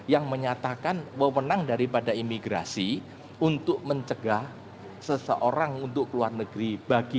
yang menyatakan wewenang daripada imigrasi untuk mencegah seseorang untuk keluar negeri